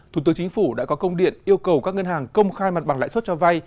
thủ tướng chính phủ đã có công điện yêu cầu các ngân hàng công khai mặt bằng lãi suất cho vay